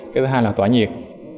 cái thứ hai là tỏa nhiệt